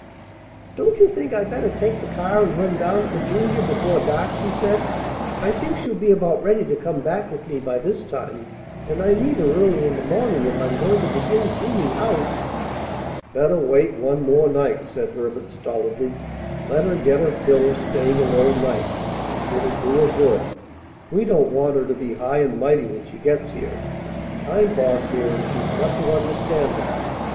"Don't you think I'd better take the car and run down for Julia before dark?" she said. "I think she'll be about ready to come back with me by this time, and I need her early in the morning if I'm going to begin cleaning house." "Better wait one more night," said Herbert stolidly. "Let her get her fill of staying alone nights. It'll do her good. We don't want her to be high and mighty when she gets here. I'm boss here, and she's got to understand that.